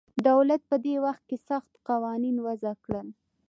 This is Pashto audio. دولت په دې وخت کې سخت قوانین وضع کړل